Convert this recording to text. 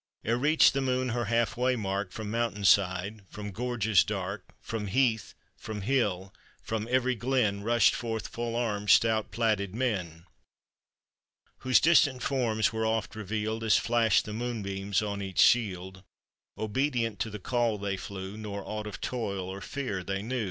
Ere reached the moon her half way mark, Prom mountain side, from gorges dark, Prom heath, from hill, from every glen, Rushed forth full armed, stout, plaided men, Whose distant forms were oft revealed As flashed the moonbeams on each shield; Obedient to the call they flew, Nor aught of toil or fear they knew.